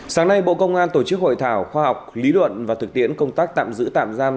sáng nay bộ công an tổ chức hội thảo khoa học lý luận và thực tiễn công tác tạm giữ tạm giam